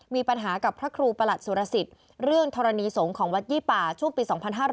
มีปัญหากับพระครูประหลัดสุรสิทธิ์เรื่องธรณีสงฆ์ของวัดยี่ป่าช่วงปี๒๕๕๙